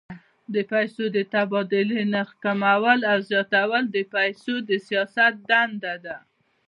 د پیسو د تبادلې نرخ کمول او زیاتول د پیسو د سیاست دنده ده.